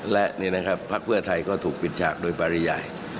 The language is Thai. และนี่นะครับพักเพื่อไทยก็ถูกปิดฉากโดยปริยาย